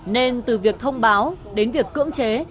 nên từ việc thông báo đến việc cưỡng chế